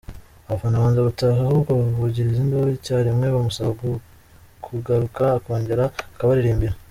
Abafana banze gutaha ahubwo bavugiriza induru icya rimwe bamusaba kugaruka akongera akabaririmbira.